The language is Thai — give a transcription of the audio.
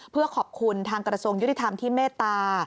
เพื่อขอบคุณทางกระทรวงยุติธรรมที่เมตตา